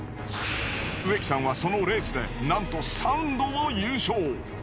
植木さんはそのレースでなんと３度も優勝。